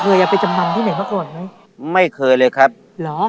เอาไปจำนำที่ไหนมาก่อนไหมไม่เคยเลยครับเหรอ